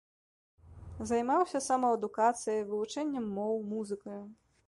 Займаўся самаадукацыяй, вывучэннем моў, музыкаю.